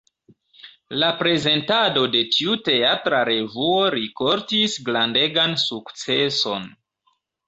La prezentado de tiu teatra revuo rikoltis grandegan sukceson.